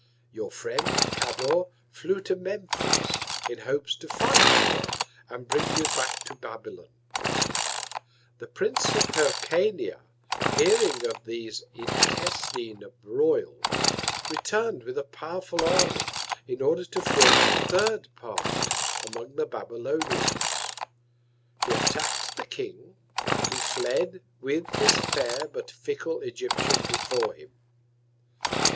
Your Friend Cador flew to Memphis in hopes to find you there, and bring you back to Babylon. The Prince of Hyrcania, hearing of these intestine Broils, return'd with a powerful Army, in order to form a third Party, among the Babylonians. He attack'd the King, who fled with his fair, but fickle Egyptian before him.